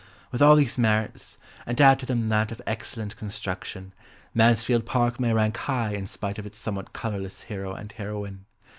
With all these merits, and to add to them that of excellent construction, Mansfield Park may rank high in spite of its somewhat colourless hero and heroine.